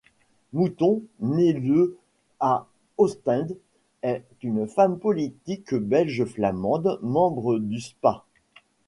Mouton, née le à Ostende est une femme politique belge flamande, membre du Sp.a.